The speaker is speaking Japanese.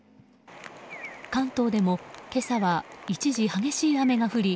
関東でも今朝は一時激しい雨が降り